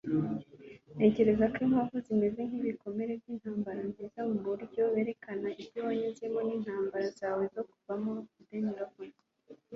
ntekereza ko inkovu zimeze nkibikomere byintambara - nziza, muburyo. berekana ibyo wanyuzemo n'imbaraga zawe zo kubivamo. - demi lovato